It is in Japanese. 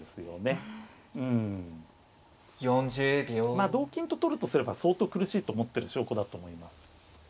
まあ同金と取るとすれば相当苦しいと思ってる証拠だと思います。